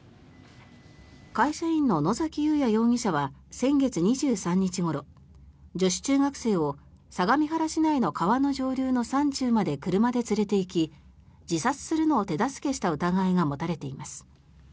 会社員の野崎祐也容疑者は先月２３日ごろ女子中学生を相模原市内の川の上流の山中まで車で連れていき自殺するのを手助けした疑いが持たれています。